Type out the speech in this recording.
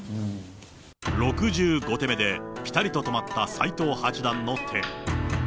６５手目でぴたりと止まった斎藤八段の手。